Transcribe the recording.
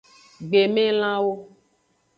Gbemelanwo.